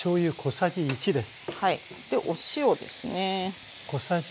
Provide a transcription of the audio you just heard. でお塩ですね。